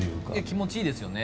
気持ちいいですよね。